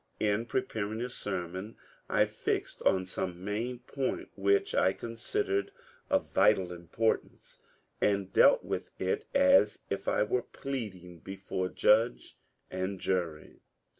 Li preparing a sermon I fixed on some main point which I considered of vital importance, and dealt with it as if I were pleading before judge and jury.